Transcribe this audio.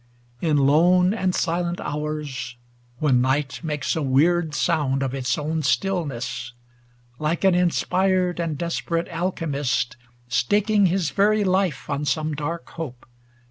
In lone and silent hours. When night makes a weird sound of its own stillness, 30 Like an inspired and desperate alchemist Staking his very life on some dark hope.